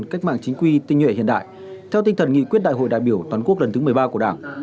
cách mạng chính quy tinh nhuệ hiện đại theo tinh thần nghị quyết đại hội đại biểu toàn quốc lần thứ một mươi ba của đảng